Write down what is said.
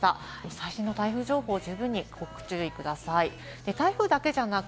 最新の台風情報を十分にご注意ください。